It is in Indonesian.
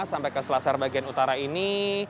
sampai ke selasar bagian utara ini